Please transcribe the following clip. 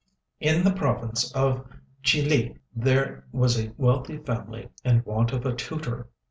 In the province of Chih li, there was a wealthy family in want of a tutor.